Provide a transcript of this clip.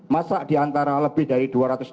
masa diantara lebih dari dua ratus enam puluh tujuh